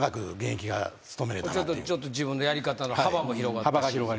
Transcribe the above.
ちょっと自分のやり方の幅も広がったし。